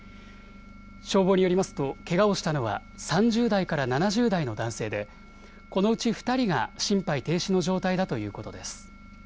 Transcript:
消防によりますとけがをしたのは３０代から７０代の男性でこのうち２人が心肺停止の状態だということです。